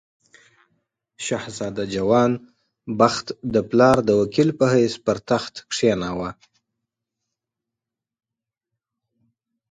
شهزاده جوان بخت د پلار د وکیل په حیث پر تخت کښېناوه.